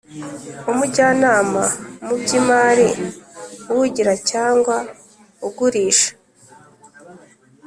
umujyanama mu by imari w ugura cyangwa ugurisha